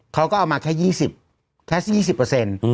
เขาก็เอามาแค่๒๐แค่๒๐เปอร์เซ็นต์